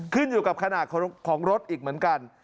ขึ้นอยู่กับขนาดของรถอีกเหมือนกัน